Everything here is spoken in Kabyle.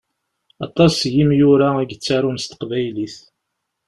Aṭas n yimura i yettarun s teqbaylit.